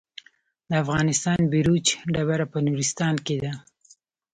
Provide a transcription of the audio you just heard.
د افغانستان بیروج ډبره په نورستان کې ده